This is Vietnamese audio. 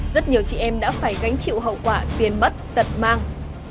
rất nhiều chị em đã phải gánh chịu hậu quả tiền bất tật mang